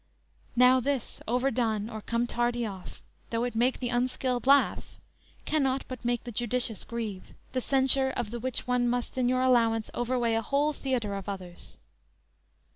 Now this, overdone, or come tardy off, Though it make the unskilled laugh, cannot but Make the judicious grieve; the censure of The which one must in your allowance Overweigh a whole theatre of others.